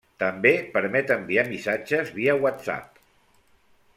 També permet enviar missatges via WhatsApp.